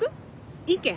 意見？